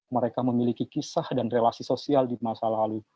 mereka memiliki kisah dan relasi sosial di masa lalu